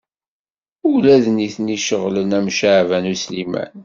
Ula d nitni ceɣlen am Caɛban U Sliman.